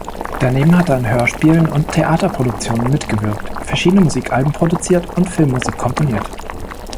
Daneben hat er an Hörspielen und Theaterproduktionen mitgewirkt, verschiedene Musikalben produziert und Filmmusik komponiert.